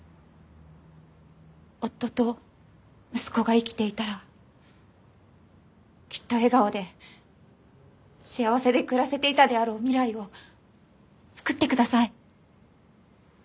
夫と息子が生きていたらきっと笑顔で幸せで暮らせていたであろう未来をつくってください。